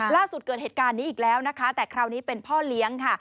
ล่าสุดเกิดเหตุการณ์นี้อีกแล้วแต่คราวนี้เป็นพ่อเลี้ยง